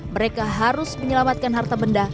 mereka harus menyelamatkan harta benda